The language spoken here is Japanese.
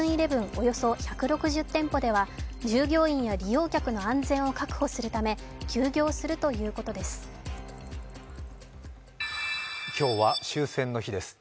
およそ１６０店舗では従業員や利用客の安全を確保するため今日は終戦の日です。